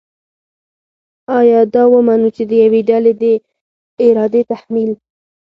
آیا دا ومنو چې د یوې ډلې د ارادې تحمیل